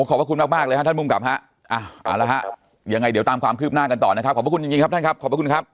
โอ้ขอบคุณมากเลยครับท่านภูมิกรรมครับอ่าแล้วครับยังไงเดี๋ยวตามความคืบหน้ากันต่อนะครับขอบคุณยังไงครับท่านครับขอบคุณครับ